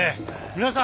皆さん